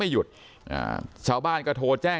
ท่านดูเหตุการณ์ก่อนนะครับ